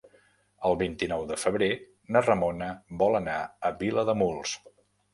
El vint-i-nou de febrer na Ramona vol anar a Vilademuls.